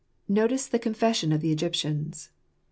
Notice the Confession of the Egyptians.